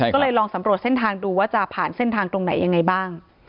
ก็เลยลองสำรวจเส้นทางดูว่าจะผ่านเส้นทางตรงไหนยังไงบ้าง